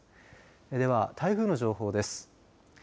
では台風の情報です。